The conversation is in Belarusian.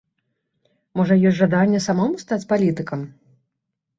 Можа ёсць жаданне самому стаць палітыкам?